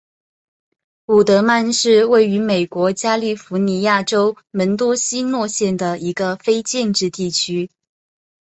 伍德曼是位于美国加利福尼亚州门多西诺县的一个非建制地区。